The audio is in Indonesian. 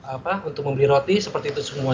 apa untuk membeli roti seperti itu semua